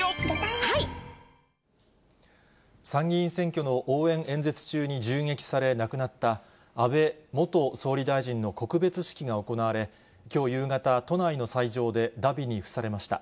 参議院選挙の応援演説中に銃撃され、亡くなった、安倍元総理大臣の告別式が行われ、きょう夕方、都内の斎場でだびに付されました。